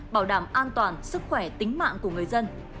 bảo đảm an toàn sức khỏe tính mạng của người dân